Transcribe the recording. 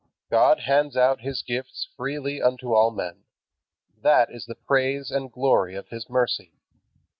God hands out His gifts freely unto all men. That is the praise and glory of His mercy.